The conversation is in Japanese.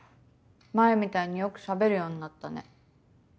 前みたいによくしゃべるようになったね。